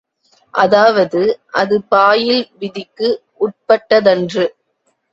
அதாவது, அது பாயில் விதிக்கு உட்பட்டதன்று.